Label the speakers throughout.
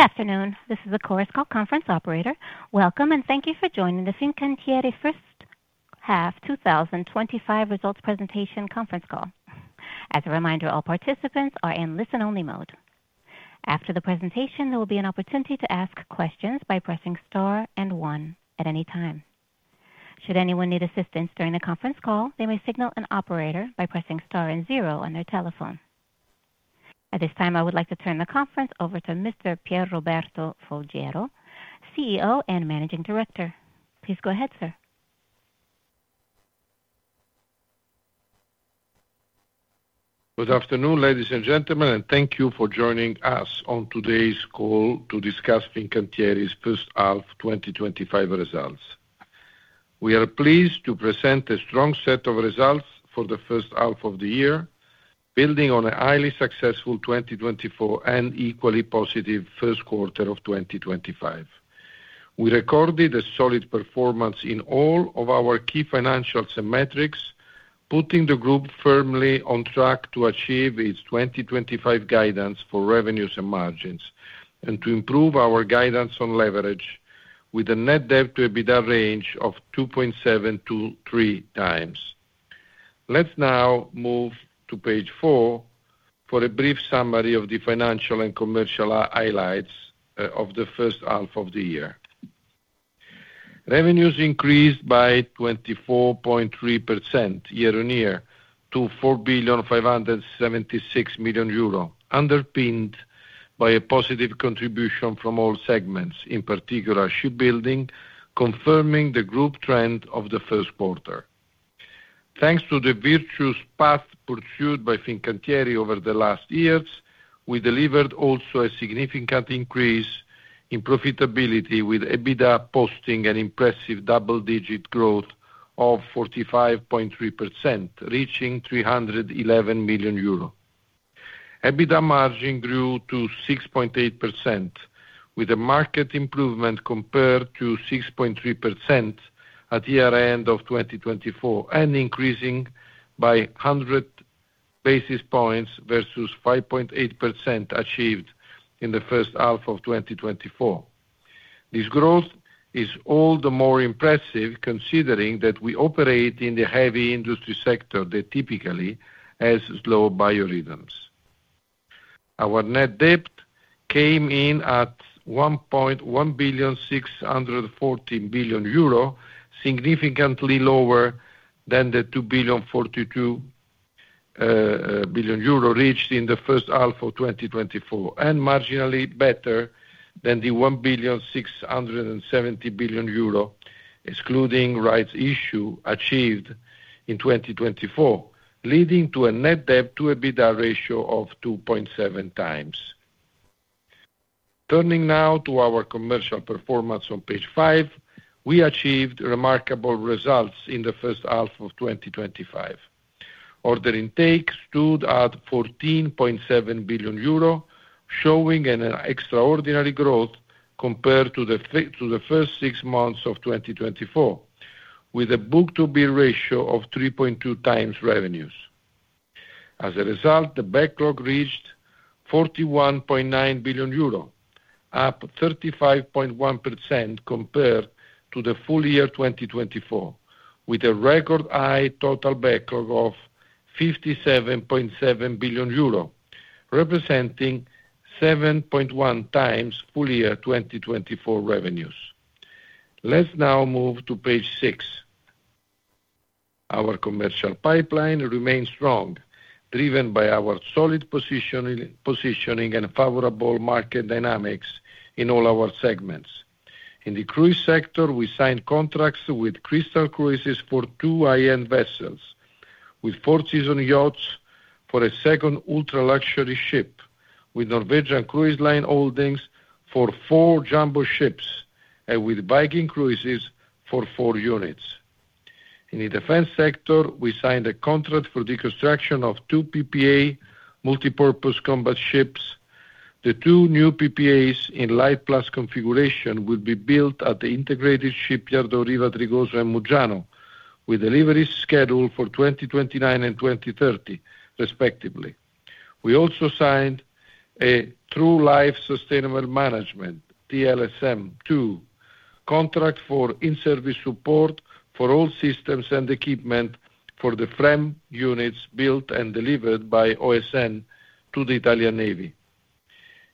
Speaker 1: Good afternoon, this is a Chorus Call Conference Operator. Welcome and thank you for joining the Fincantieri first half 2025 results presentation conference call. As a reminder, all participants are in listen only mode. After the presentation, there will be an opportunity to ask questions by pressing Star and one at any time. Should anyone need assistance during the conference call, they may signal an operator by pressing Star and zero on their telephone. At this time, I would like to turn the conference over to Mr. Pierroberto Folgiero, CEO and Managing Director. Please go ahead, sir.
Speaker 2: Good afternoon ladies and gentlemen and thank you for joining us on today's call to discuss Fincantieri's first half 2025 results. We are pleased to present a strong set of results for the first half of the year, building on a highly successful 2024 and equally positive first quarter of 2025. We recorded a solid performance in all of our key financials and metrics, putting the group firmly on track to achieve its 2025 guidance for revenues and margins and to improve our guidance on leverage with a net debt to EBITDA range of 2.7x. Let's now move to page four for a brief summary of the financial and commercial highlights of the first half of the year. Revenues increased by 24.3% year on year to 4,576,000,000 euro, underpinned by a positive contribution from all segments, in particular shipbuilding, confirming the group trend of the first quarter thanks to the virtuous path pursued by Fincantieri over the last years. We delivered also a significant increase in profitability with EBITDA posting an impressive double digit growth of 45.3%, reaching 311 million euro. EBITDA margin grew to 6.8% with a marked improvement compared to 6.3% at year end of 2024 and increasing by 100 basis points versus 5.8% achieved in the first half of 2024. This growth is all the more impressive considering that we operate in the heavy industry sector that typically has slow biorhythms. Our net debt came in at 1.614 billion, significantly lower than the 2.042 billion reached in the first half of 2024 and marginally better than the 1.670 billion excluding rights issue achieved in 2024, leading to a net debt to EBITDA ratio of 2.7x. Turning now to our commercial performance on page 5, we achieved remarkable results in the first half of 2025. Order intake stood at 14.7 billion euro, showing an extraordinary growth compared to the first six months of 2024 with a book-to-bill ratio of 3.2x revenues. As a result, the backlog reached 41.9 billion euro, up 35.1% compared to the full year 2024 with a record high total backlog of 57.7 billion euro representing 7.1x full year 2024 revenues. Let's now move to page 6. Our commercial pipeline remains strong, driven by our solid positioning and favorable market dynamics in all our segments. In the cruise sector we signed contracts with Crystal Cruises for two units, with Four Seasons Yachts for a second ultra luxury ship, with Norwegian Cruise Line Holdings for four jumbo ships, with Viking Cruises for four units. In the defense sector we signed a contract for the construction of two PPA multipurpose combat ships. The two new PPAs in light plus configuration will be built at the integrated shipyard of Riva Trigoso and Muggiano with deliveries scheduled for 2029 and 2030 respectively. We also signed a True Life Sustainable Management TLSM2 contract for in-service support for all systems and equipment for the FREMM units built and delivered by OSN to the Italian Navy.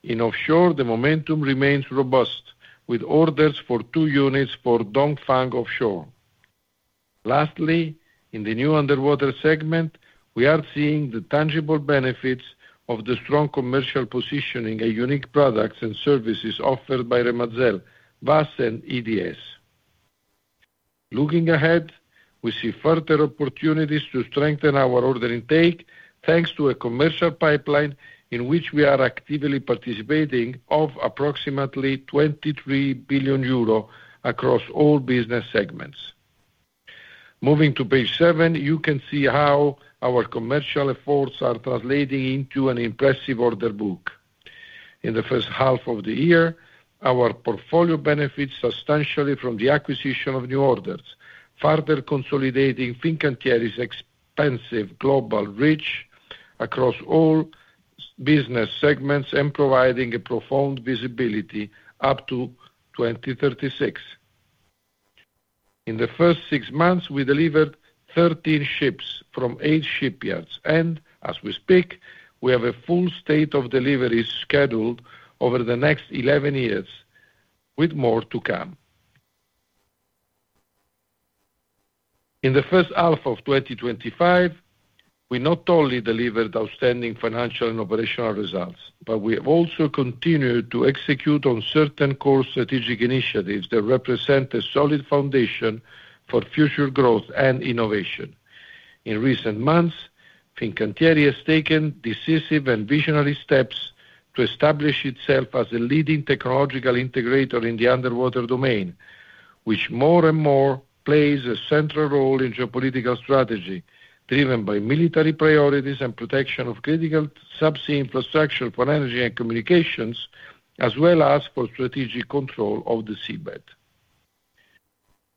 Speaker 2: In offshore, the momentum remains robust with orders for two units for Dongfang Offshore. Lastly, in the new underwater segment we are seeing the tangible benefits of the strong commercial positioning and unique products and services offered by Remazel, WASS, and EDS. Looking ahead, we see further opportunities to strengthen our order intake thanks to a commercial pipeline in which we are actively participating of approximately 23 billion euro and across all business segments. Moving to page seven, you can see how our commercial efforts are translating into an impressive order book. In the first half of the year, our portfolio benefits substantially from the acquisition of new orders, further consolidating Fincantieri's expansive global reach across all business segments and providing a profound visibility of up to 2036. In the first six months we delivered 13 ships from eight shipyards and as we speak we have a full slate of deliveries scheduled over the next 11 years with more to come. In the first half of 2025 we not only delivered outstanding financial and operational results, but we have also continued to execute on certain core strategic initiatives that represent a solid foundation for future growth and innovation. In recent months, Fincantieri has taken decisive and visionary steps to establish itself as a leading technological integrator in the underwater domain, which more and more plays a central role in geopolitical strategy driven by military priorities and protection of critical subsea infrastructure for energy and communications, as well as for strategic control of the seabed.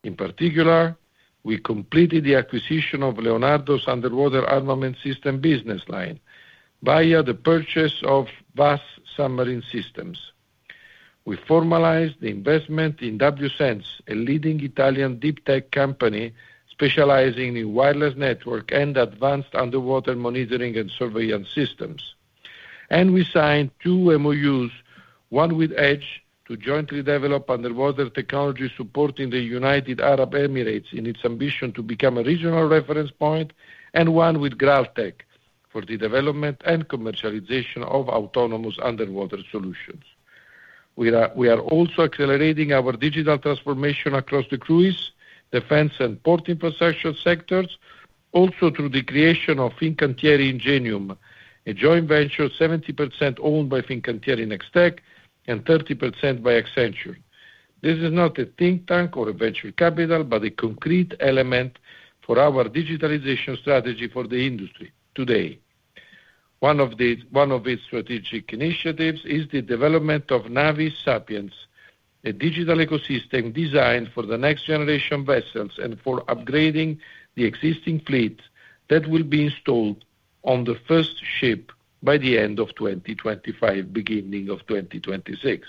Speaker 2: In particular, we completed the acquisition of Leonardo's underwater armament system business line via the purchase of WASS Submarine Systems. We formalized the investment in WSense, a leading Italian deep tech company specializing in wireless network and advanced underwater monitoring and surveillance systems. We signed two MoUs, one with EDGE to jointly develop underwater technology supporting the United Arab Emirates in its ambition to become a regional reference point, and one with Graal Tech for the development and commercialization of autonomous underwater solutions. We are also accelerating our digital transformation across the cruise, defense, and port infrastructure sectors, also through the creation of Fincantieri Ingenium, a joint venture 70% owned by Fincantieri Nextech and 30% by Accenture. This is not a think tank or a venture capital, but a concrete element for our digitalization strategy for the industry today. One of its strategic initiatives is the development of Navis Sapiens, a digital ecosystem designed for the next generation vessels and for upgrading the existing fleet that will be installed on the first ship by the end of 2025, beginning of 2026.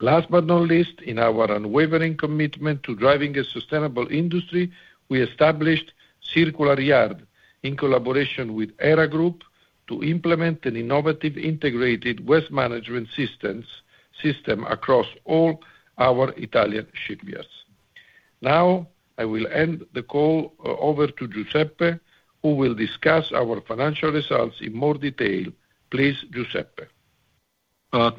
Speaker 2: Last but not least, in our unwavering commitment to driving a sustainable industry, we established CircularYard in collaboration with ERA Group to implement an innovative integrated waste management system across all our Italian shipyards. Now I will hand the call over to Giuseppe, who will discuss our financial results in more detail, please. Giuseppe.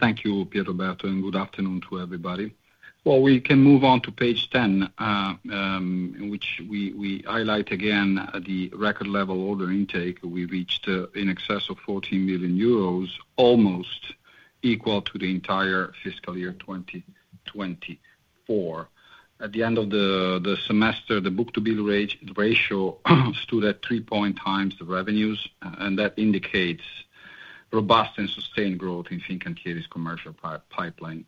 Speaker 3: Thank you, Pierroberto, and good afternoon to everybody. We can move on to page 10 in which we highlight again the record level order intake. We reached in excess of 14 billion euros, almost equal to the entire fiscal year 2024. At the end of the semester, the book-to-bill ratio stood at 3x the revenues, and that indicates robust and sustained growth in Fincantieri's commercial pipeline,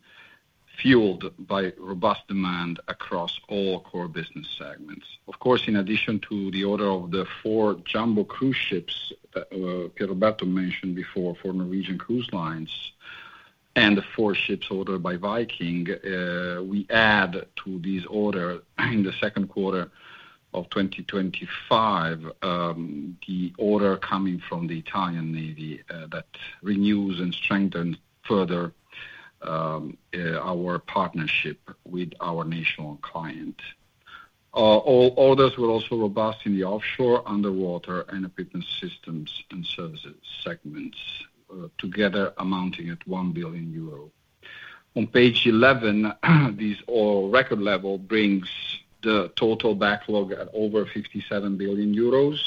Speaker 3: fueled by robust demand across all core business segments. Of course, in addition to the order of the four jumbo cruise ships Pierroberto mentioned before for Norwegian Cruise Line Holdings and the four ships ordered by Viking Cruises, we add to this order in the second quarter of 2025, the order coming from the Italian Navy that renews and strengthens further our partnership with our national client. All orders were also robust in the offshore, underwater, and equipment systems and services segment, together amounting at 1 billion euro on page 11. This all record level brings the total backlog at over 57 billion euros.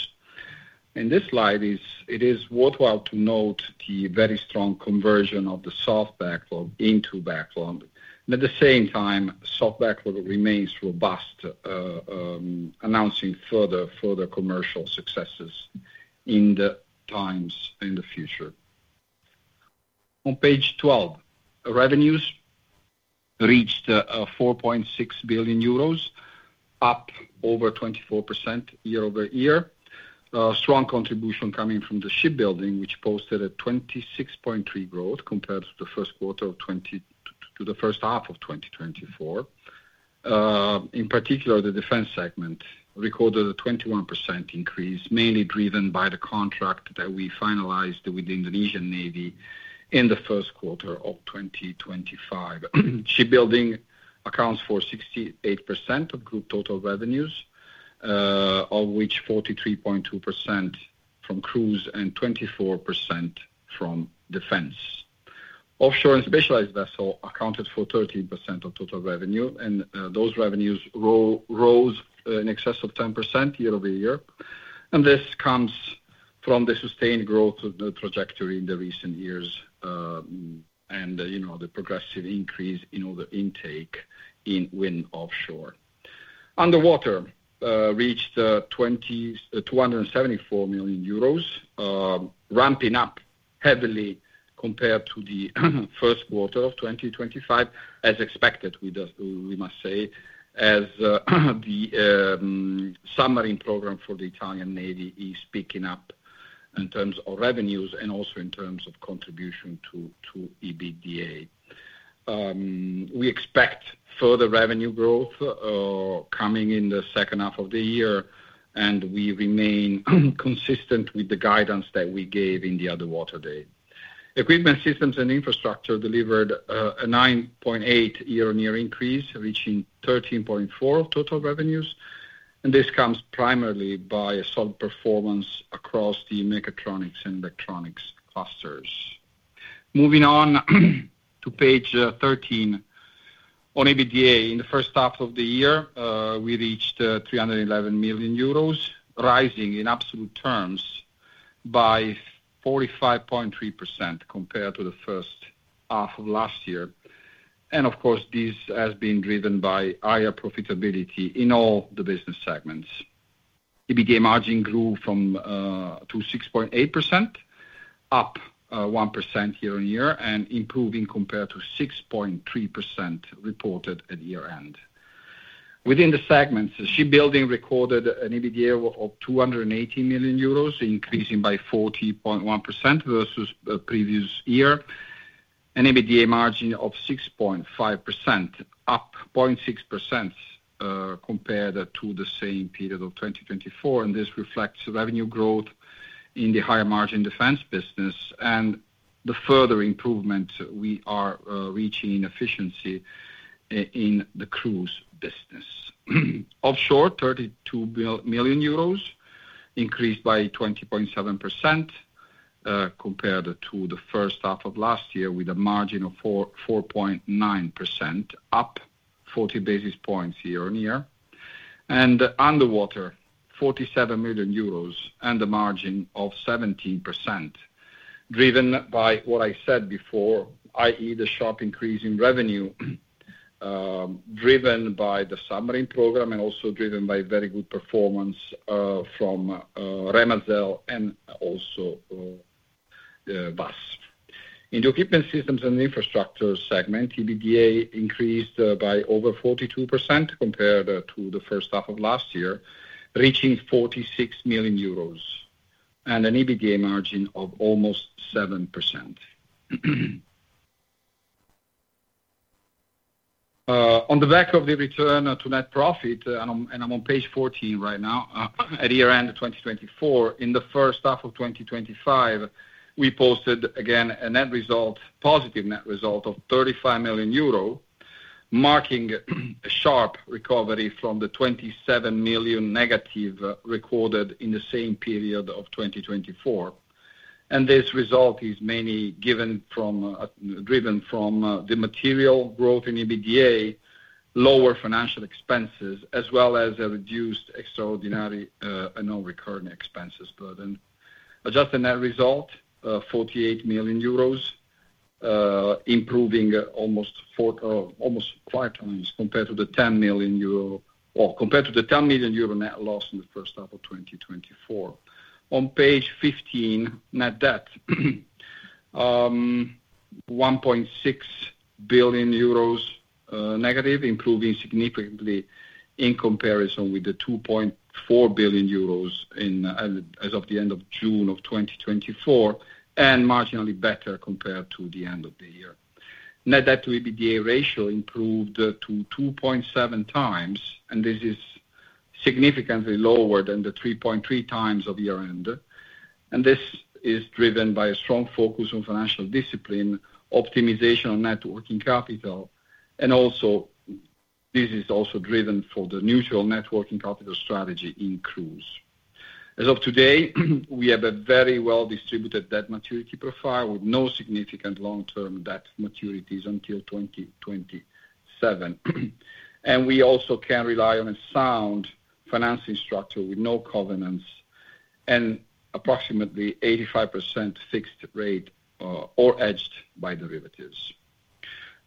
Speaker 3: In this slide, it is worthwhile to note the very strong conversion of the soft backlog into backlog. At the same time, soft backlog remains robust, announcing further commercial successes in the times in the future. On page 12, revenues reached 4.6 billion euros, up over 24% year-over-year. Strong contribution coming from the shipbuilding, which posted a 26.3% growth compared to 1Q22 to 1H24. In particular, the defense segment recorded a 21% increase, mainly driven by the contract that we finalized with the Indonesian Navy in the first quarter of 2025. Shipbuilding accounts for 68% of group total revenues, of which 43.2% from cruise and 24% from defense. Offshore and specialized vessel accounted for 13% of total revenue, and those revenues rose in excess of 10% year-over-year. This comes from the sustained growth trajectory in the recent years, and the progressive increase in order intake in wind offshore underwater reached 274 million euros, ramping up heavily compared to the first quarter of 2025. As expected, we must say, as the submarine program, the Italian Navy is picking up in terms of revenues and also in terms of contribution to EBITDA. We expect further revenue growth coming in the second half of the year, and we remain consistent with the guidance that we gave in the other water day. Equipment, systems, and infrastructure delivered a 9.8% year on year increase, reaching 13.4% of total revenues. This comes primarily by a solid performance across the mechatronics and electronics clusters. Moving on to page 13 on EBITDA. In the first half of the year we reached 311 million euros, rising in absolute terms by 45.3% compared to the first half of last year. This has been driven by higher profitability in all the business segments. EBITDA margin grew to 6.8%, up 1% year on year and improving compared to 6.3% reported at year end. Within the segments, Shipbuilding recorded an EBITDA of 280 million euros, increasing by 40.1% versus the previous year. An EBITDA margin of 6.5%, up 0.6% compared to the same period of 2024. This reflects revenue growth in the higher margin defense business and the further improvement we are reaching. Efficiency in the cruise business offshore, 32 million euros increased by 20.7% compared to the first half of last year with a margin of 4.9%, up 40 basis points year on year, and underwater 47 million euros and the margin of 17% driven by what I said before. That is the sharp increase in revenue driven by the submarine program and also driven by very good performance from Remazel and also WASS in the equipment systems and infrastructure segment, EBITDA increased by over 42% compared to the first half of last year reaching 46 million euros and an EBITDA margin of almost 7% on the back of the return to net profit. I'm on page 14 right now at year end of 2024. In the first half of 2025 we posted again a net result, positive net result of 35 million euro, marking a sharp recovery from the 27 million negative recorded in the same period of 2024. This result is mainly driven from the material growth in EBITDA, lower financial expenses as well as a reduced extraordinary non-recurring expenses burden. Adjusted net result 48 million euros, improving almost five times compared to the 10 million euro. Compared to the 10 million euro net loss in the first half of 2024. On page 15 net debt 1.6 billion euros negative, improving significantly in comparison with the 2.24 billion euros as of the end of June of 2024 and marginally better compared to the end of the year, net debt to EBITDA ratio improved to 2.7x and this is significantly lower than the 3.3x of year end and this is driven by a strong focus on financial discipline, optimization of net working capital and also this is also driven for the neutral net working capital strategy in cruise. As of today, we have a very well distributed debt maturity profile with no significant long-term debt maturities until 2027, and we also can rely on a sound financing structure with no covenants and approximately 85% fixed rate or hedged by derivative.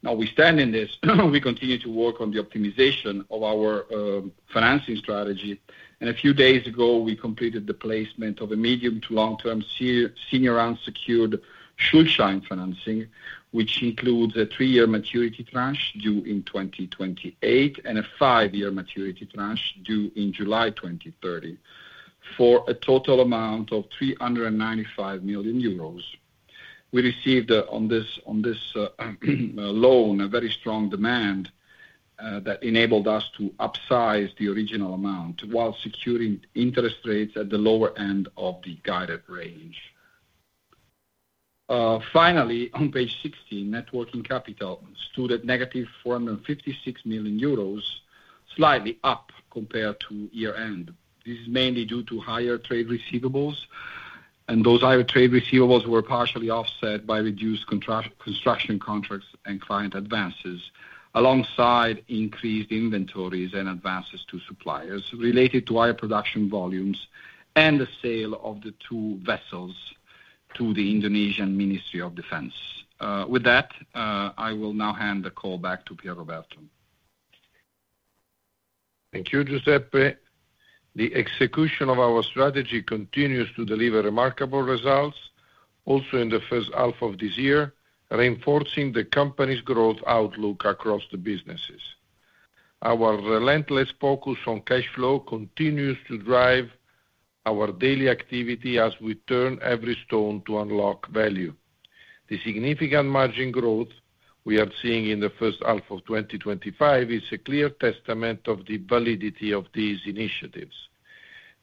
Speaker 3: Now we stand in this. We continue to work on the optimization. Of our financing strategy and a few days ago we completed the placement of a medium to long term senior unsecured Schuldschein financing, which includes a three-year maturity tranche due in 2028 and a five-year maturity tranche due in July 2030 for a total amount of 395 million euros. We received on this loan a very strong demand that enabled us to upsize the original amount while securing interest rates at the lower end of the guided range. Finally, on page 16, net working capital stood at negative 456 million euros, slightly up compared to year end. This is mainly due to higher trade receivables, and those higher trade receivables were partially offset by reduced construction contracts and client advances, alongside increased inventories and advances to suppliers related to higher production volumes and the sale of the two vessels to the Indonesian Ministry of Defence. With that, I will now hand the call back to Pierroberto.
Speaker 2: Thank you, Giuseppe. The execution of our strategy continues to deliver remarkable results also in the first half of this year, reinforcing the company's growth outlook across the businesses. Our relentless focus on cash flow continues to drive our daily activity as we turn every stone to unlock value. The significant margin growth we are seeing in the first half of 2025 is a clear testament of the validity of these initiatives.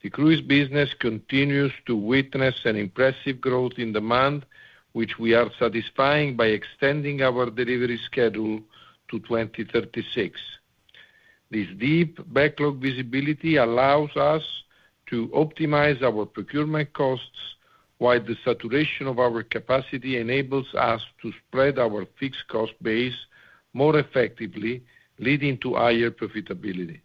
Speaker 2: The cruise business continues to witness an impressive growth in demand, which we are satisfying by extending our delivery schedule to 2036. This deep backlog visibility allows us to optimize our procurement costs, while the saturation of our capacity enables us to spread our fixed cost base more effectively, leading to higher profitability.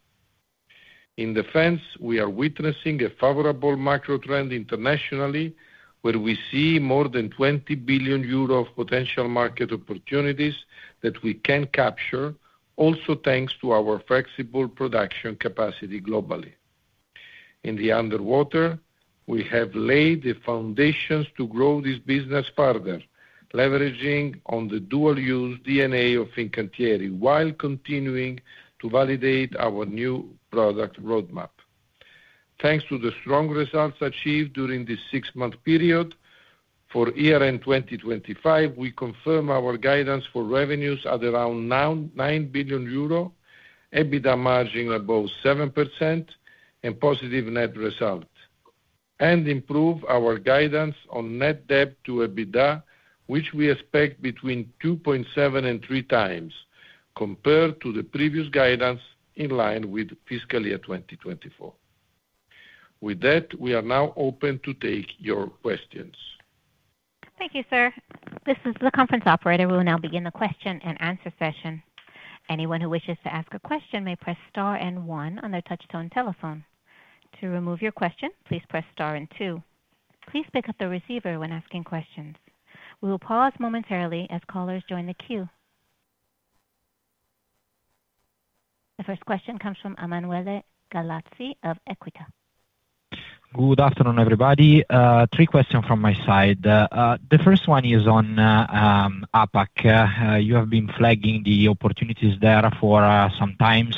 Speaker 2: In defense, we are witnessing a favorable macro trend internationally, where we see more than 20 billion euro of potential market opportunities that we can capture also thanks to our flexible production capacity globally. In the underwater, we have laid the foundations to grow this business further, leveraging on the dual use DNA of Fincantieri while continuing to validate our new product roadmap thanks to the strong results achieved during this six month period. For year end 2025, we confirm our guidance for revenues at around 9 billion euro, EBITDA margin above 7%, and positive net result, and improve our guidance on net debt to EBITDA, which we expect between 2.7x and 3x compared to the previous guidance in line with fiscal year 2024. With that, we are now open to take your questions.
Speaker 1: Thank you, sir. This is the conference operator. We will now begin the question and answer session. Anyone who wishes to ask a question may press star and one on their touchtone telephone. To remove your question, please press star and two. Please pick up the receiver when asking questions. We will pause momentarily as callers join the queue. The first question comes from Emanuele Galazzi of Equita.
Speaker 4: Good afternoon everybody. Three questions from my side. The first one is on APAC. You have been flagging the opportunities there for some time,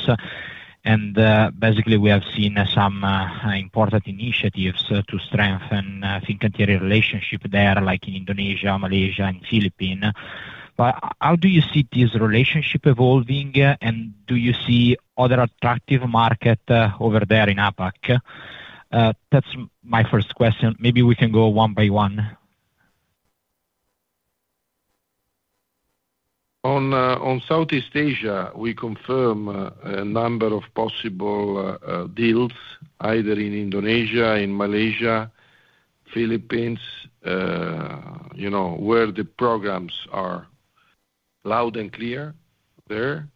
Speaker 4: and basically we have seen some important initiatives to strengthen Fincantieri relationship there, like in Indonesia, Malaysia, and Philippines. How do you see this relationship evolving, and do you see other attractive market over there in APAC? That's my first question. Maybe we can go one by one.
Speaker 2: On Southeast Asia. We confirm a number of possible deals either in Indonesia, in Malaysia, Philippines, you know where the programs are loud and clear there.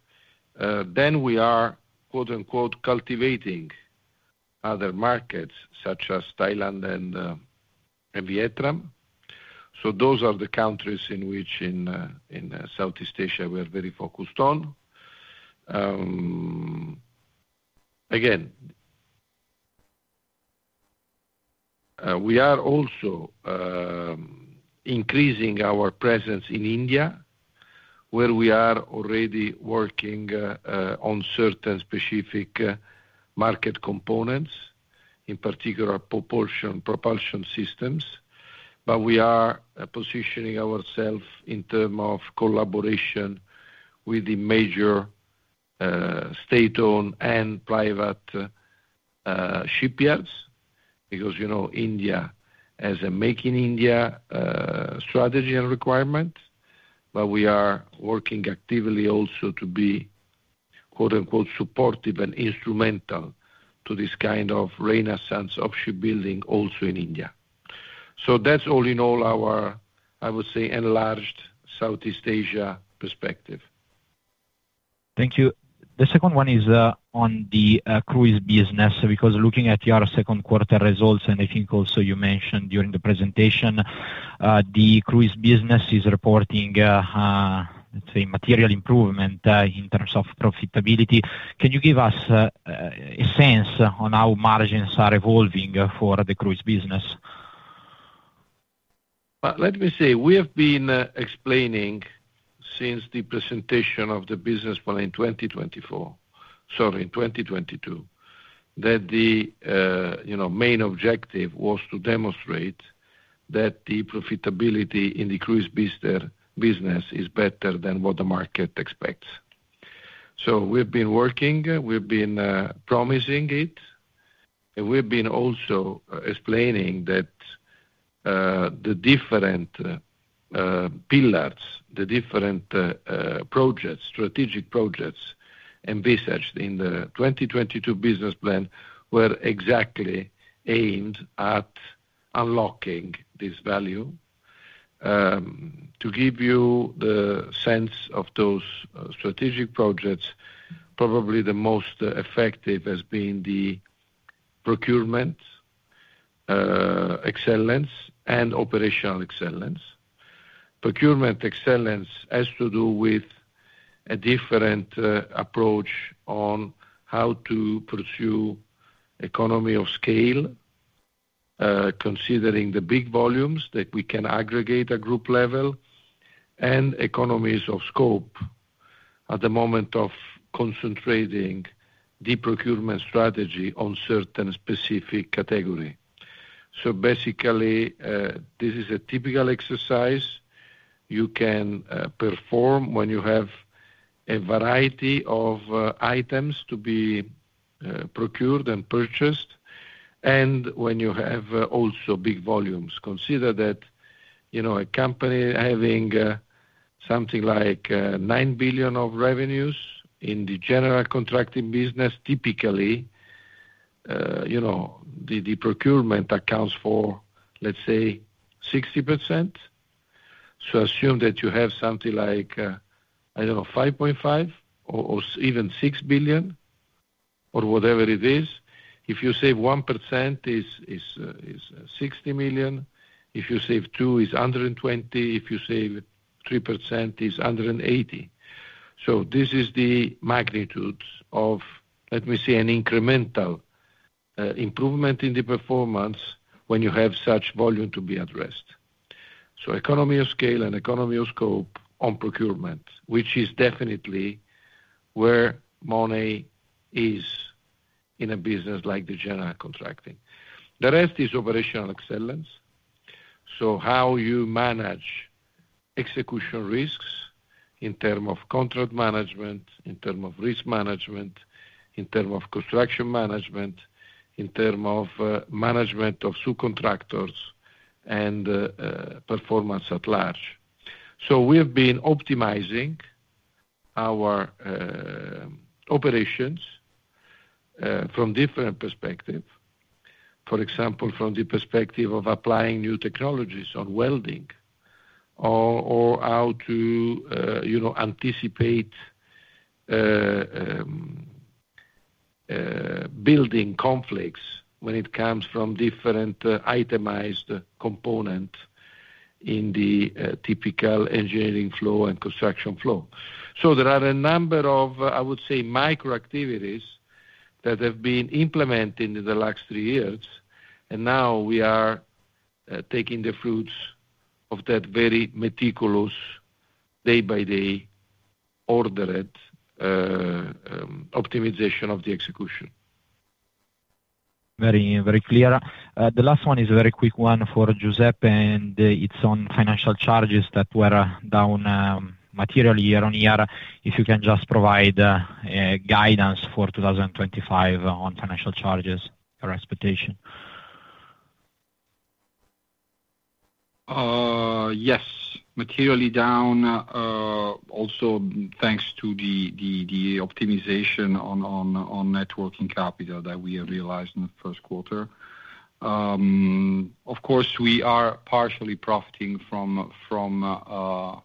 Speaker 2: We are, quote unquote, cultivating other markets such as Thailand and Vietnam. Those are the countries in which in Southeast Asia we are very focused on. Again, we are also increasing our presence in India where we are already working on certain specific market components, in particular propulsion, propulsion systems. We are positioning ourselves in terms of collaboration with the major state-owned and private shipyards because, you know, India has a making India strategy and requirement. We are working actively also to be, quote, unquote, supportive and instrumental to this kind of renaissance of shipbuilding also in India. All in all, that's our, I would say, enlarged Southeast Asia perspective.
Speaker 4: Thank you. The second one is on the cruise business because looking at your second quarter results, and I think also you mentioned during the presentation, the cruise business is reporting material improvement in terms of profitability. Can you give us a sense on how margins are evolving for the cruise business?
Speaker 2: Let me say we have been explaining since the presentation of the business plan in 2024, sorry, in 2022 that the main objective was to demonstrate that the profitability in the cruise business is better than what the market expects. We've been working, we've been promising it, and we've been also explaining that the different pillars, the different projects, strategic projects envisaged in the 2022 business plan were exactly aimed at unlocking this value. To give you the sense of those strategic projects, probably the most effective has been the procurement excellence and operational excellence. Procurement excellence has to do with a different approach on how to pursue economy of scale, considering the big volumes that we can aggregate at group level and economies of scope at the moment of concentrating the procurement strategy on certain specific category. Basically this is a typical exercise you can perform when you have a variety of items to be procured and purchased and when you have also big volumes, consider that you know a company having something like $9 billion of revenues. In the general contracting business, typically, you know, the procurement accounts for, let's say, 60%. Assume that you have something like, I don't know, $5.5 or even $6 billion or whatever it is, if you save 1% it is $60 million, if you save 2% it is $120 million, if you save 3% it is $180 million. This is the magnitude of, let me see, an incremental improvement in the performance when you have such volume to be addressed. Economy of scale and economy of scope on procurement, which is definitely where money is in a business like the general contracting, the rest is operational excellence. How you manage execution risks in terms of contract management, in terms of risk management, in terms of construction management, in terms of management of subcontractors and performance at large. We have been optimizing our operations from different perspective, for example, from the perspective of applying new technologies on welding or how to anticipate building conflicts when it comes from different itemized components in the typical engineering flow and construction flow. There are a number of, I would say, micro activities that have been implemented in the last three years. Now we are taking the fruits of that very meticulous, day by day ordered optimization of the execution.
Speaker 4: Very, very clear. The last one is a very quick one for Giuseppe, and it's on financial charges that were down materially year on year. If you can just provide guidance for 2025 on financial charges, your expectation.
Speaker 3: Yes, materially down. Also thanks to the optimization on net working capital that we have realized in the first quarter. Of course, we. Are partially profiting from.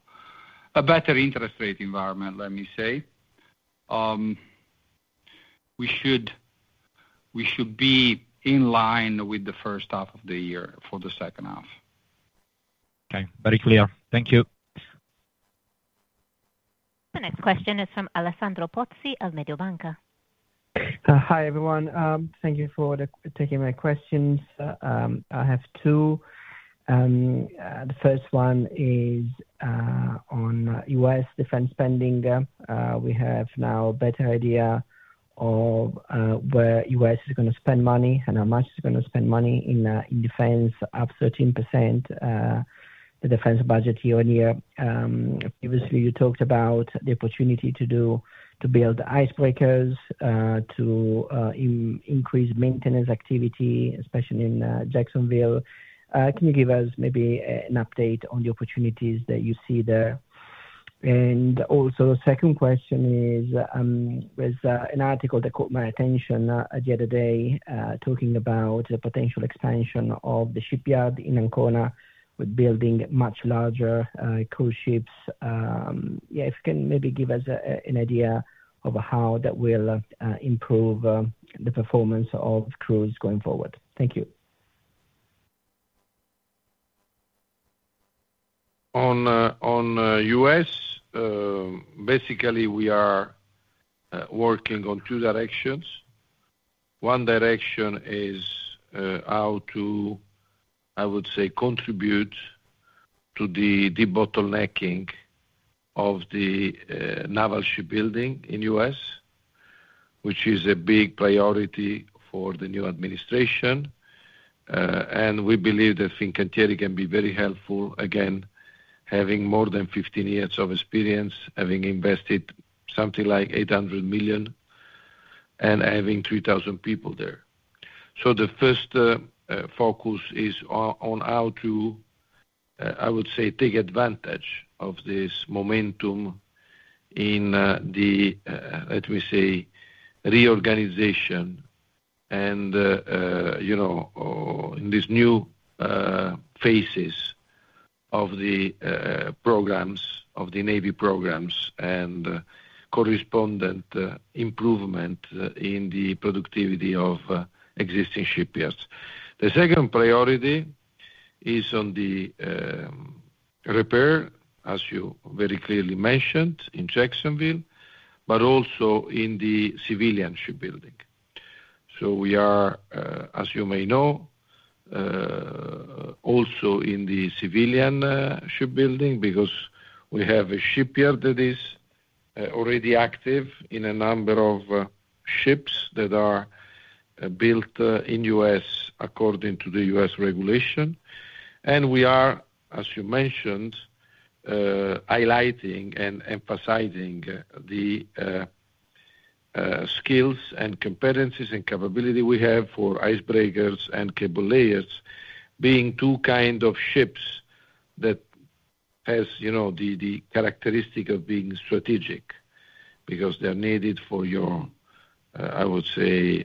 Speaker 3: A better interest rate environment. Let me say. We should be in. Line with the first half of the year for the second half.
Speaker 4: Okay, very clear. Thank you.
Speaker 1: The next question is from Alessandro Pozzi of Mediobanca.
Speaker 5: Hi everyone. Thank you for taking my questions. I have two. The first one is on U.S. defense spending. We have now a better idea of where the U.S. is going to spend money and how much is going to spend money in defense of 13% the defense budget year on year. Previously you talked about the opportunity to build icebreakers, increased maintenance activity, especially in Jacksonville. Can you give us maybe an update on the opportunities that you see there? Also, the second question is, there's an article that caught my attention the other day talking about the potential expansion of the shipyard in Ancona with building much larger cruise ships. If you can maybe give us an idea of how that will improve the performance of cruise going forward. Thank you.
Speaker 2: On us, basically we are working on two directions. One direction is how to, I would say, contribute to the debottlenecking of the naval shipbuilding in the U.S., which is a big priority for the new administration. We believe that Fincantieri can be very helpful, again, having more than 15 years of experience, having invested something like $800 million, and having 3,000 people there. The first focus is on how to, I would say, take advantage of this momentum in the, let me say, reorganization and, you know, in these new phases of the programs of the Navy, programs and correspondent improvement in the productivity of existing shipyards. The second priority is on the repair, as you very clearly mentioned in Jacksonville, but also in the civilian shipbuilding. We are, as you may know, also in the civilian shipbuilding because we have a shipyard that is already active in a number of ships that are built in the U.S. according to the U.S. Regulation. We are, as you mentioned, highlighting and emphasizing the skills and competencies and capability we have for icebreakers and cable layers, being two kinds of ships that have, you know, the characteristic of being strategic because they are needed for your, I would say,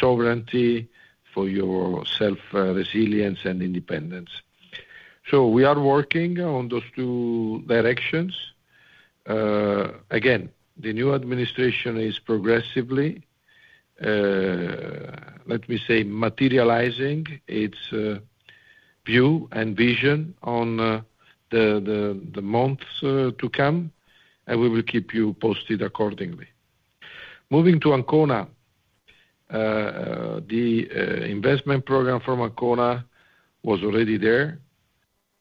Speaker 2: sovereignty, for your self, resilience, and independence. We are working on those two directions. Again, the new administration is progressively, let me say, materializing its view and vision in the months to come, and we will keep you posted accordingly. Moving to Ancona. The investment program from Ancona was already there.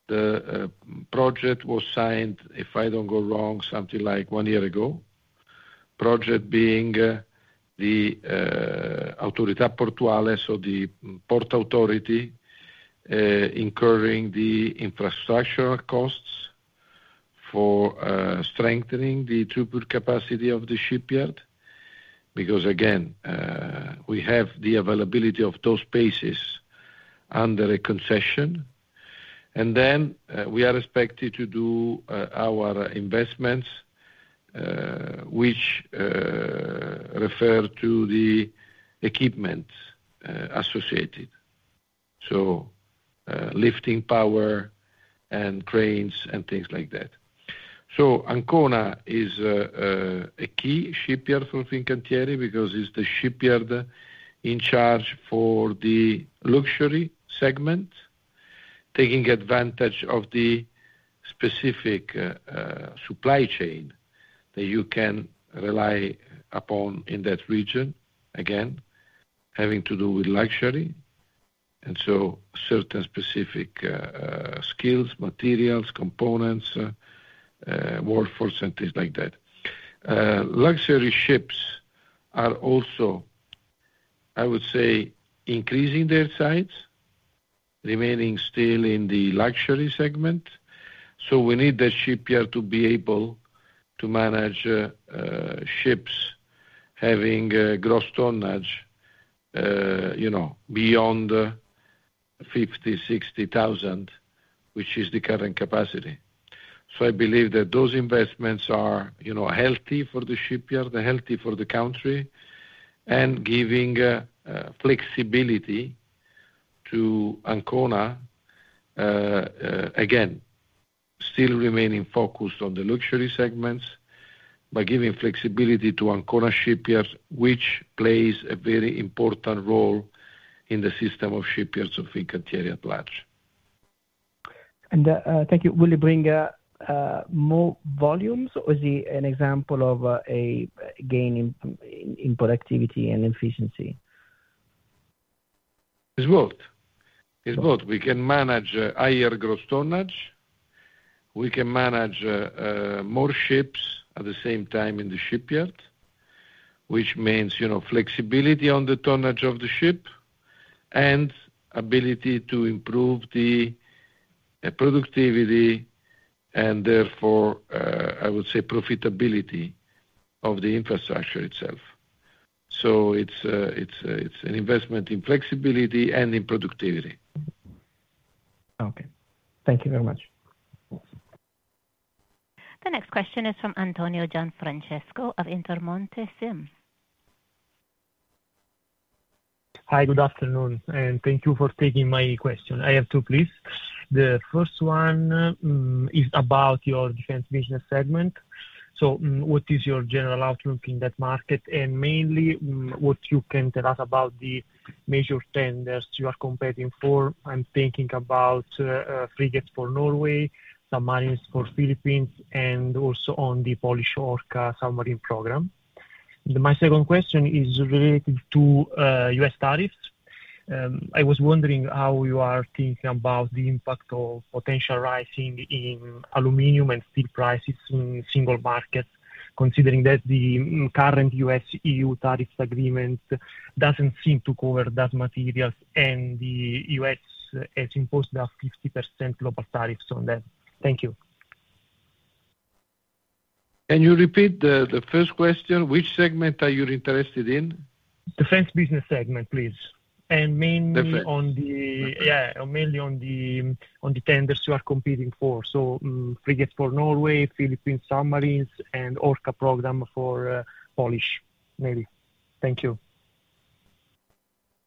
Speaker 2: The project was signed, if I don't go wrong, something like one year ago, project being the Autorità Portuale or the Port Authority, incurring the infrastructural costs for strengthening the throughput capacity of the shipyard, because, again, we have the availability of those spaces under a concession, and then we are expected to do our investments, which refer to the equipment associated, so lifting power and cranes and things like that. Ancona is a key shipyard for Fincantieri because it's the shipyard in charge for the luxury segment, taking advantage of the specific supply chain that you can rely upon in that region, again, having to do with luxury and so certain specific skills, materials, components, workforce, and things like that. Luxury ships are also, I would say, increasing their size, remaining still in the luxury segment. We need the shipyard to be able to manage ships having gross tonnage, you know, beyond 50,000, 60,000, which is the current capacity. I believe that those investments are, you know, healthy for the shipyard, healthy for the country, and giving flexibility to Ancona, again, still remaining focused on the luxury segments by giving flexibility to Ancona shipyards, which plays a very important role in the system of shipyards of Fincantieri at large.
Speaker 5: Thank you. Will you bring more volumes, or is it an example of a gain in productivity and efficiency?
Speaker 2: is both. We can manage higher gross tonnage, we can manage more ships at the same time in the shipyard, which means, you know, flexibility on the tonnage of the ship and ability to improve the productivity, and therefore, I would say profitability of the infrastructure itself. It is an investment in flexibility and in productivity.
Speaker 5: Okay, thank you very much.
Speaker 1: The next question is from Antonio Gianfrancesco of Intermonte SIM.
Speaker 6: Hi, good afternoon and thank you for taking my question. I have two, please. The first one is about your defense business segment. What is your general outlook in that market and mainly what you can tell us about the major tenders you are competing for? I'm thinking about frigates for Norway, submarines for the Philippines, and also on the Polish ORKA submarine program. My second question is related to U.S. tariffs. I was wondering how you are thinking about the impact of potential rising in aluminium and steel prices in single markets considering that the current U.S. EU tariffs agreement doesn't seem to cover that material and the U.S. has imposed about 50% global tariffs on that. Thank you.
Speaker 2: Can you repeat the first question? Which segment are you interested in?
Speaker 6: Defense business segment, please. Mainly on the tenders you are competing for, such as frigates for Norway, Philippine submarines, and the ORKA program for Poland. Thank you.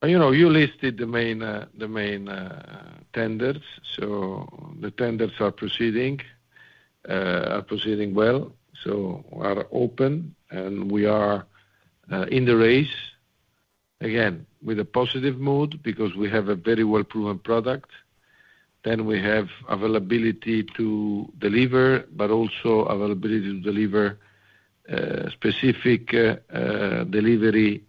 Speaker 2: You know, you listed the main, the main tenders. The tenders are proceeding, are proceeding well. They are open and we are in the race again with a positive mood because we have a very well proven product. We have availability to deliver, but also availability to deliver specific delivery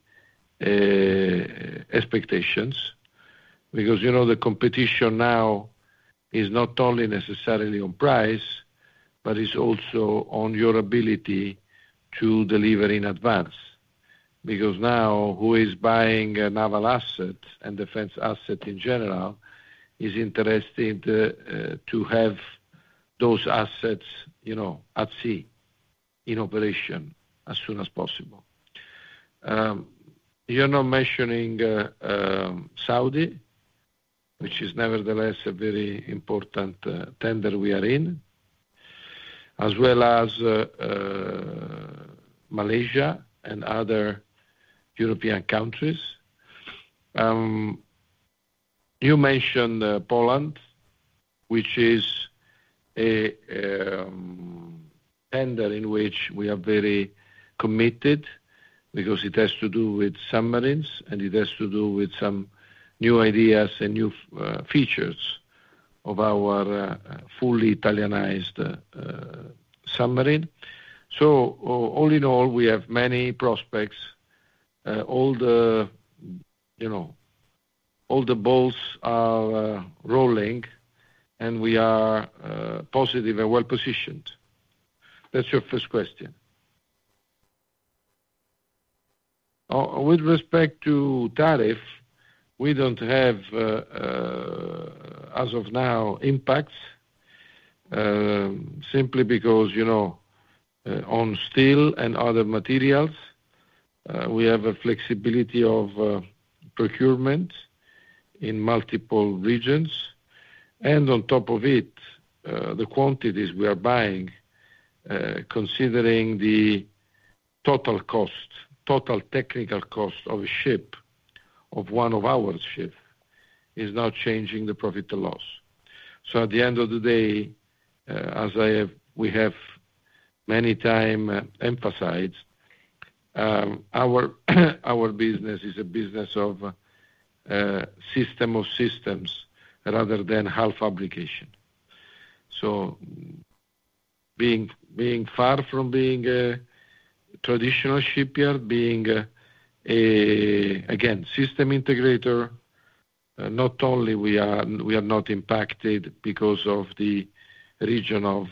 Speaker 2: expectations. You know, the competition now is not only necessarily on price but it's also on your ability to deliver in advance. Now who is buying naval assets and defense assets in general is interested to have those assets, you know, at sea in operation as soon as possible. You're not mentioning Saudi, which is nevertheless a very important tender we are in as well as Malaysia and other European countries. You mentioned Poland, which is a tender in which we are very committed because it has to do with submarines and it has to do with some new ideas and new features of our fully Italianized submarine. All in all we have many prospects, all the, you know, all the balls are rolling and we are positive and well positioned. That's your first question with respect to tariff. We don't have as of now impacts simply because, you know, on steel and other materials we have a flexibility of procurement in multiple regions. On top of it, the quantities we are buying, considering the total cost, total technical cost of a ship, of one of our ships is now changing the profit and loss. At the end of the day, as we have many times emphasized, our business is a business of system of systems rather than half application. Being far from being a traditional shipyard, being again system integrator, not only are we not impacted because of the region of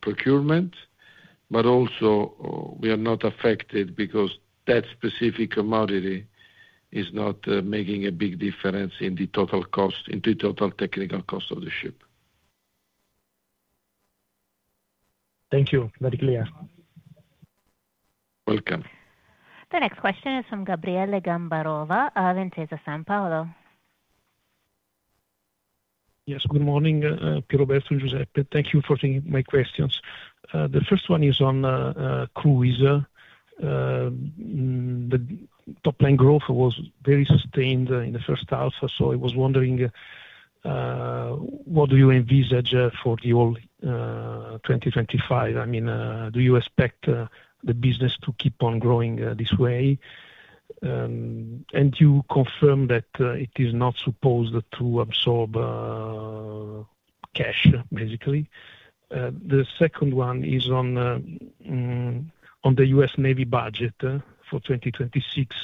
Speaker 2: procurement, but also we are not affected because that specific commodity is not making a big difference in the total cost, in the total technical cost of the ship.
Speaker 6: Thank you. Very clear.
Speaker 2: Welcome.
Speaker 1: The next question is from Gabriele Gambarova, Intesa Sanpaolo.
Speaker 7: Yes, good morning. Pierroberto and Giuseppe. Thank you for taking my questions. The first one is on cruise. The top line growth was very sustained in the first half. I was wondering what you envisage for the whole 2025. I mean, do you expect the business to keep on growing this way? You confirm that it is not supposed to absorb cash, basically. The second one is on the U.S. Navy budget for 2026.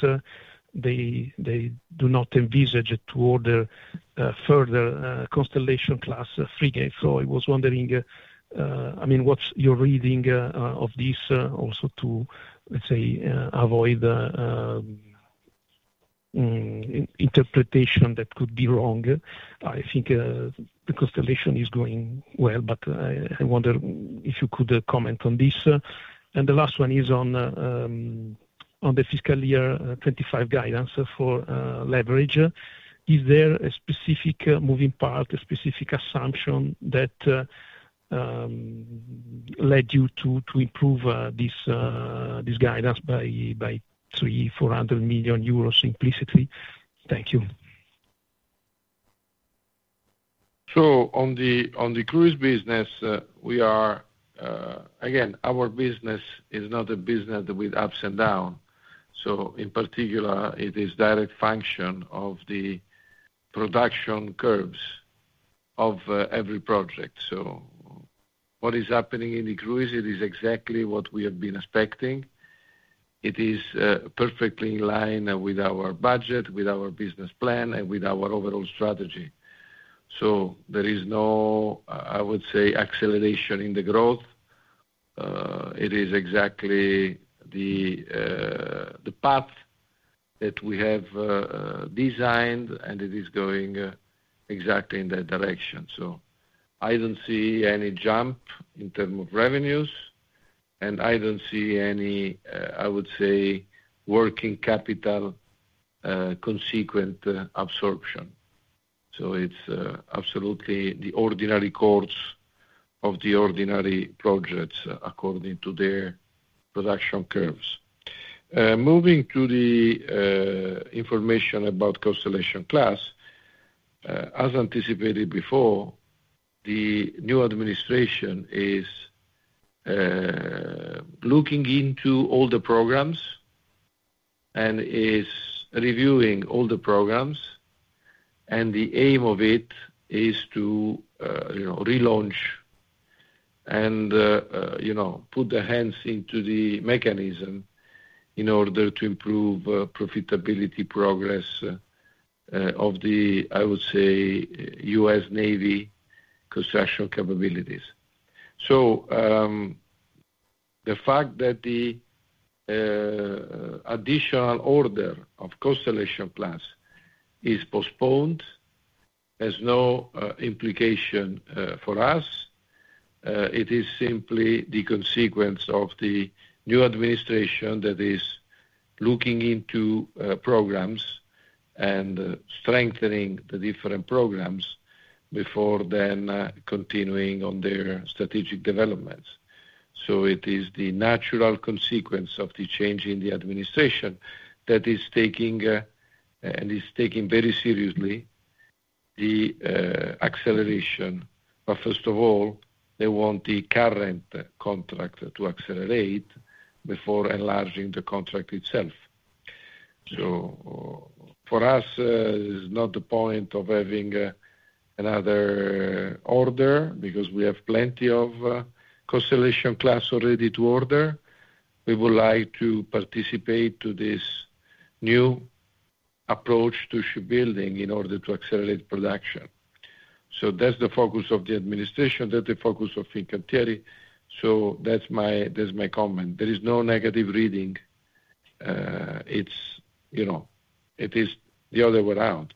Speaker 7: They do not envisage to order further Constellation class frigates. I was wondering, what's your reading of this? Also, to avoid interpretation that could be wrong. I think the Constellation is going well. I wonder if you could comment on this. The last one is on the fiscal year 2025 guidance for leverage. Is there a specific moving part, a specific assumption that led you to improve this guidance by 3.4 million euros, implicitly. Thank you.
Speaker 2: On the cruise business, our business is not a business with ups and downs. In particular, it is a direct function of the production curves of every project. What is happening in the cruise, it is exactly what we have been expecting. It is perfectly in line with our budget, with our business plan, and with our overall strategy. There is no acceleration in the growth. It is exactly the path that we have designed, and it is going exactly in that direction. I don't see any jump in terms of revenues, and I don't see any working capital, consequent absorption. It's absolutely the ordinary course of the ordinary projects according to their production curves. Moving to the information about Constellation class, as anticipated before, the new administration is looking into all the programs and is reviewing all the programs. The aim of it is to relaunch and put their hands into the mechanism in order to improve profitability progress of the U.S. Navy construction capabilities. The fact that the additional order of Constellation plans is postponed has no implication for us. It is simply the consequence of the new administration that is looking into programs and strengthening the different programs before then continuing on their strategic developments. It is the natural consequence of the change in the administration that is taking and is taking very seriously the acceleration. First of all, they want the current contract to accelerate before enlarging the contract itself. For us, it is not the point of having another order because we have plenty of Constellation class already to order. We would like to participate in this new approach to shipbuilding in order to accelerate production. That's the focus of the administration. That's the focus of Fincantieri. That's my comment. There is no negative reading. It is the other way around.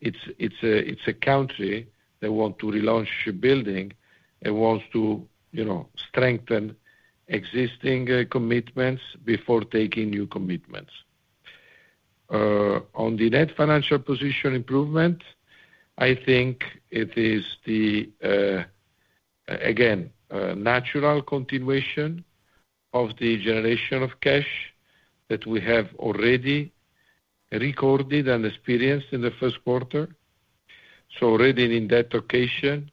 Speaker 2: It's a country that wants to relaunch building and wants to strengthen existing commitments before taking new commitments. On the net financial position improvement, I think it is the natural continuation of the generation of cash that we have already recorded and experienced in the first quarter. Already in that occasion,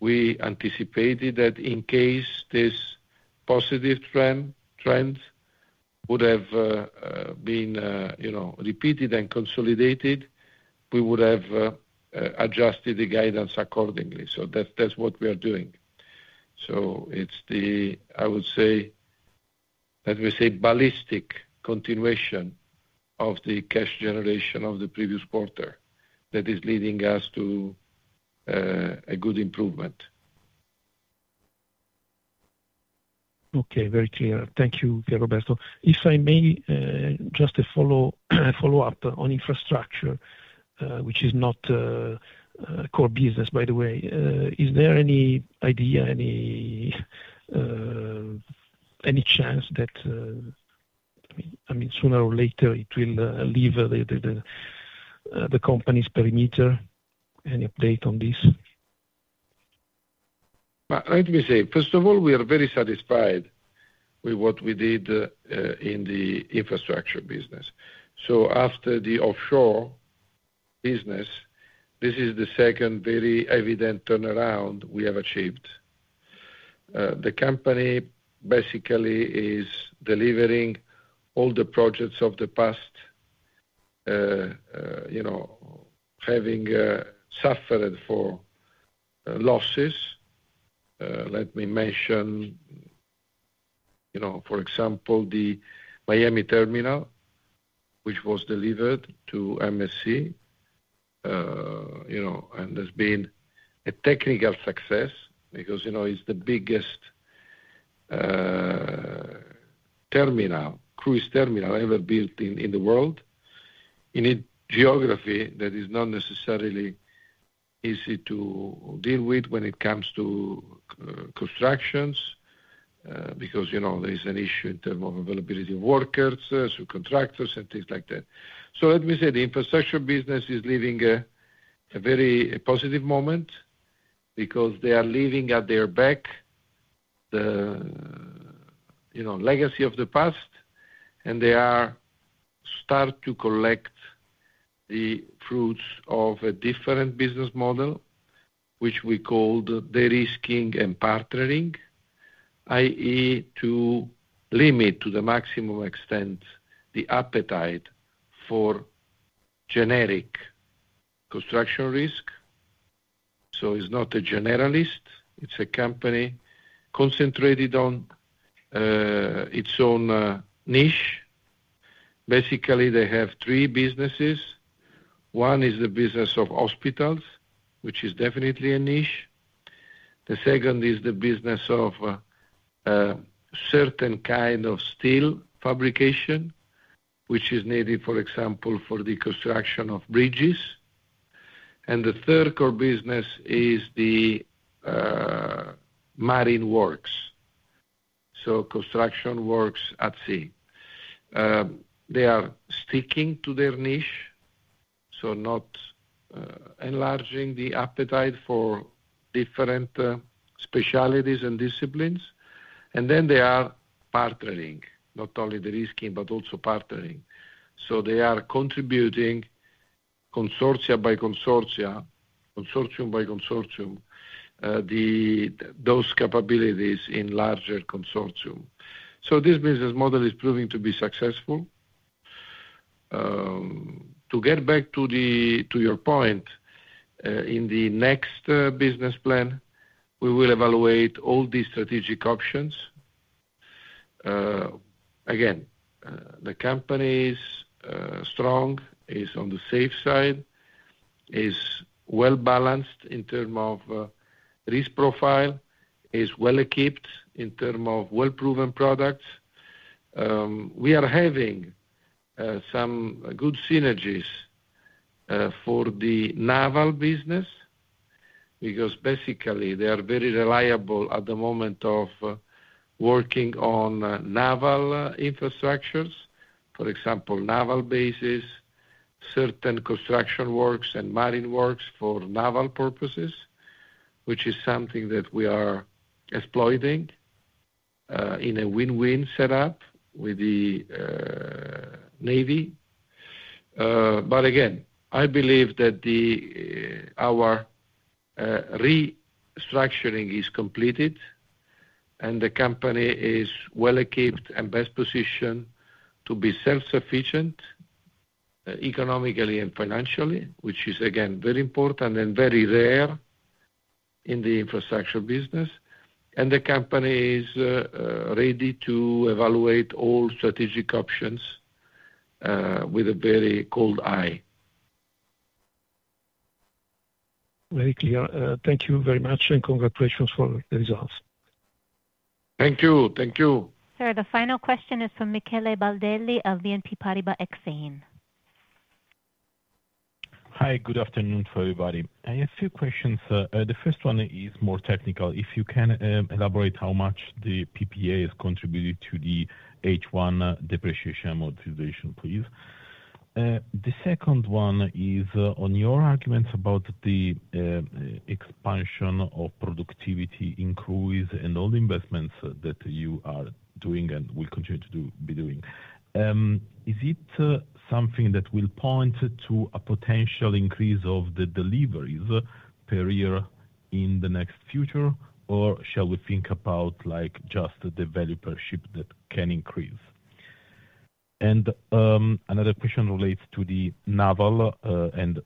Speaker 2: we anticipated that in case this positive trend would have been repeated and consolidated, we would have adjusted the guidance accordingly. That's what we are doing. It is, as we say, ballistic continuation of the cash generation of the previous quarter that is leading us to a good improvement.
Speaker 7: Okay, very clear. Thank you. Pierroberto, if I may, just a follow up on infrastructure, which is not core business. By the way, is there any idea, any chance that, I mean, sooner or later it will leave the company's perimeter? Any update on this?
Speaker 2: Let me say first of all, we are very satisfied with what we did in the infrastructure business. After the offshore business, this is the second very evident turnaround we have achieved. The company basically is delivering all the projects of the past, having suffered for losses. Let me mention, for example, the Miami terminal, which was delivered to MSC and has been a technical success because it's the biggest cruise terminal ever built in the world. You need geography that is not necessarily easy to deal with when it comes to constructions because there is an issue in terms of availability of workers, contractors, and things like that. Let me say the infrastructure business is living a very positive moment because they are leaving at their back the legacy of the past and they are starting to collect the fruits of a different business model which we called de-risking and partnering. That is to limit to the maximum extent the appetite for generic construction risk. It's not a generalist, it's a company concentrated on its own niche. Basically, they have three businesses. One is the business of hospitals, which is definitely a niche. The second is the business of certain kind of steel fabrication which is needed, for example, for the construction of bridges. The third core business is the marine works, so construction works at sea. They are sticking to their niche, not enlarging the appetite for different specialties and disciplines. They are partnering, not only de-risking, but also partnering. They are contributing consortium by consortium those capabilities in larger consortium. This business model is proving to be successful. To get back to your point, in the next business plan, we will evaluate all these strategic options. Again, the company is strong, is on the safe side, is well balanced in terms of risk profile, is well equipped in terms of well-proven products. We are having some good synergies for the naval business because basically they are very reliable at the moment of working on naval infrastructures, for example naval bases, certain construction works and marine works for naval purposes, which is something that we are exploiting in a win-win setup with the Navy. I believe that our restructuring is completed and the company is well equipped and best positioned to be self-sufficient economically and financially, which is again very important and very rare in the infrastructure business. The company is ready to evaluate all strategic options with a very cold eye.
Speaker 7: Very clear. Thank you very much, and congratulations for the results.
Speaker 2: Thank you. Thank you, sir.
Speaker 1: The final question is from Michele Baldelli of BNP Paribas Exane.
Speaker 8: Hi, good afternoon. For everybody, I have few questions. The first one is more technical. If you can elaborate how much the PPA has contributed to the H1 depreciation amortization, please. The second one is on your arguments about the expansion of productivity increase and all the investments that you are doing and will continue to be doing. Is it something that will point to a potential increase of the deliveries per year in the next future? Or shall we think about like just the developership that can increase? Another question relates to the naval and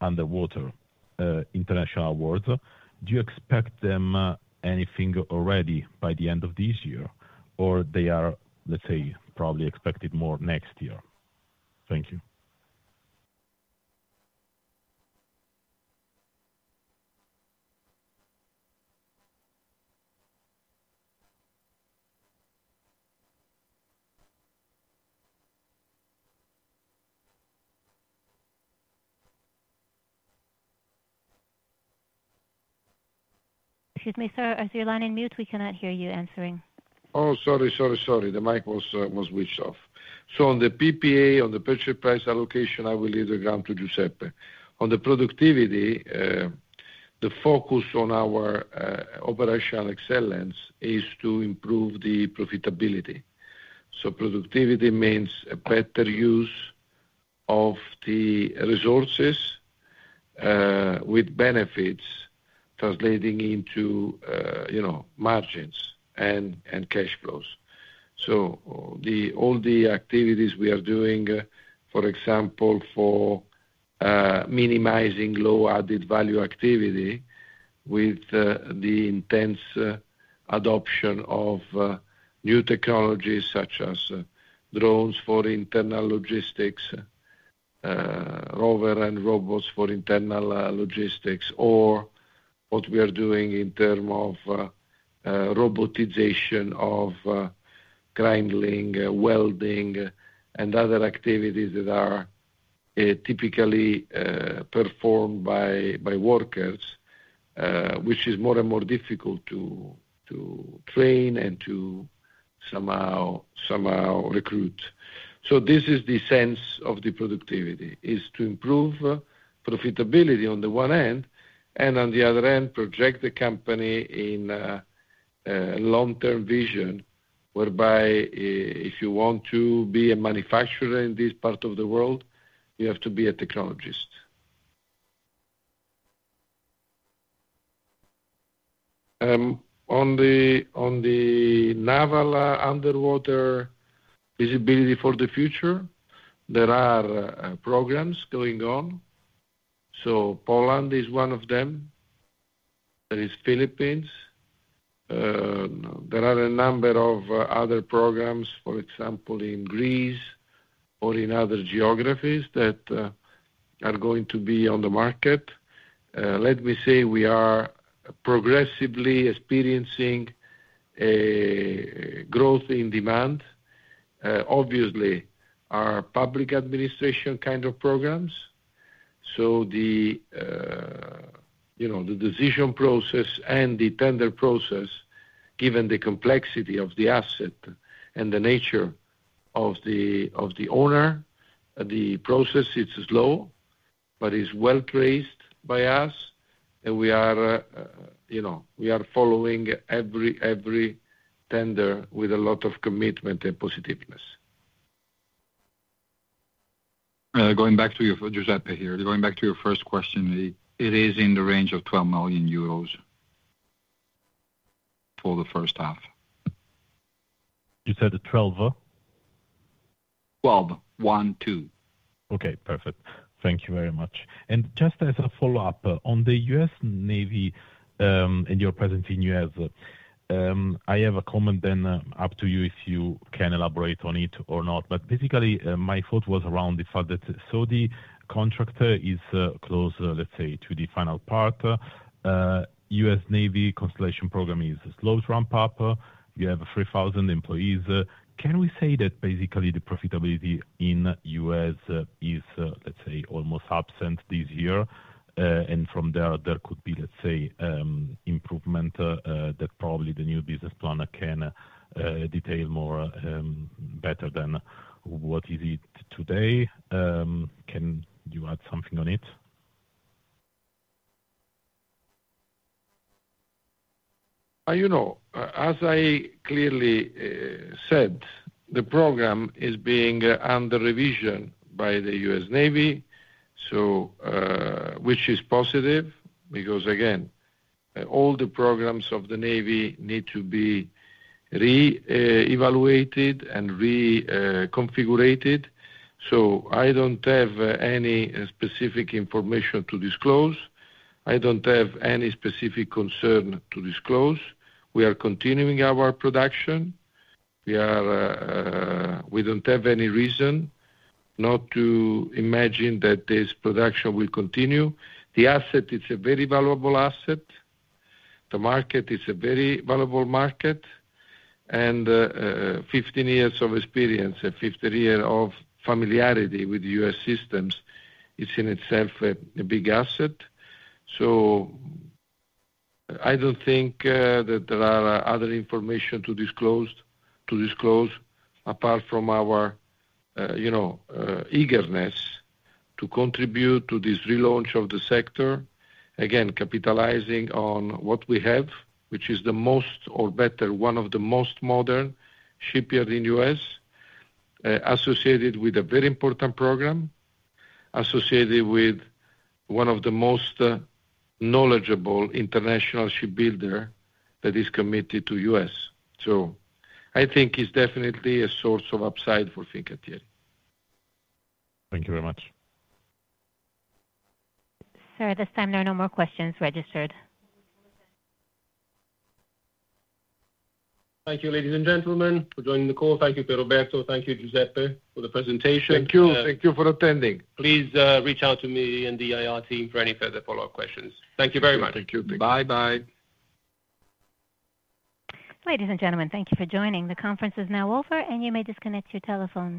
Speaker 8: underwater international awards. Do you expect them anything already by the end of this year? Or they are, let's say probably expected more next year? Thank you.
Speaker 1: Excuse me, sir, is your line on mute? We cannot hear you answering.
Speaker 2: Oh, sorry, the mic was switched off. On the PPA, on the purchase price allocation, I will leave the ground to Giuseppe. On the productivity, the focus on our operational excellence is to improve the profitability. Productivity means better use of the resources with benefits translating into margins and cash flows. All the activities we are doing, for example, for minimizing low added value activity with the intense adoption of new technologies such as drones for internal logistics, rover and robots for internal logistics, or what we are doing in terms of robotization of grinding, welding, and other activities that are typically performed by workers, which is more and more difficult to train and to somehow recruit. This is the sense of the productivity, to improve profitability on the one hand and on the other end project the company in long term vision, whereby if you want to be a manufacturer in this part of the world, you have to be a technologist on the naval underwater visibility for the future. There are programs going on, Poland is one of them, there is Philippines. There are a number of other programs, for example, in Greece or in other geographies that are going to be on the market. Let me say we are progressively experiencing a growth in demand. Obviously, our public administration kind of programs, the decision process and the tender process, given the complexity of the asset and the nature of the owner, the process is slow, but it's well placed by us. We are following every tender with a lot of commitment and positiveness.
Speaker 3: Going back to your first question, it is in the range of 12 million euros for the first half.
Speaker 8: You said twelve
Speaker 3: one two.
Speaker 8: Okay, perfect. Thank you very much. Just as a follow up on the U.S. Navy and your presence in the U.S., I have a comment, then up to you if you can elaborate on it or not. Basically, my thought was around the fact that the Saudi contract is close, let's say, to the final part. The U.S. Navy Constellation Program is slow to ramp up. You have 3,000 employees. Can we say that basically the profitability in the U.S. is, let's say, almost absent this year? From there, there could be, let's say, improvement that probably the new business plan can detail more better than what it is today. Can you add something on it?
Speaker 2: As I clearly said, the program is being under revision by the U.S. Navy, which is positive because all the programs of the Navy need to be re-evaluated and reconfigurated. I don't have any specific information to disclose. I don't have any specific concern to disclose. We are continuing our production. We don't have any reason not to imagine that this production will continue. The asset, it's a very valuable asset. The market is a very valuable market. 15 years of experience and fifty years of familiarity with U.S. systems is in itself a big asset. I don't think that there is other information to disclose apart from our eagerness to contribute to this relaunch of the sector, capitalizing on what we have, which is the most, or better, one of the most modern shipyards in the U.S. associated with a very important program associated with one of the most knowledgeable international shipbuilders that is committed to us. I think it's definitely a source of upside for Fincantieri. Thank you very much.
Speaker 1: at this time there are no more questions registered. Thank you, ladies and gentlemen, for joining the call. Thank you, Pierroberto. Thank you, Giuseppe, for the presentation.
Speaker 2: Thank you for attending. Please reach out to me and the IR team for any further follow-up questions. Thank you very much. Bye bye.
Speaker 1: Ladies and gentlemen, thank you for joining. The conference is now over, and you may disconnect your telephone.